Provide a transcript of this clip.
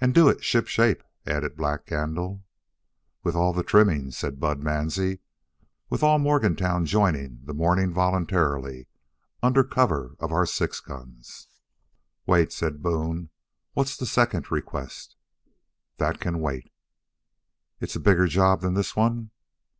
"And do it shipshape," added Black Gandil. "With all the trimmings," said Bud Mansie, "with all Morgantown joinin' the mournin' voluntarily under cover of our six guns." "Wait," said Boone. "What's the second request?" "That can wait." "It's a bigger job than this one?"